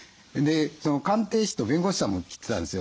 鑑定士と弁護士さんも来てたんですよ。